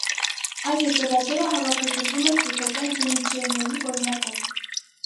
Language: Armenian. Այդ հեծելազորը հավաքագրվում էր թուրքական ենիչերիների օրինակով։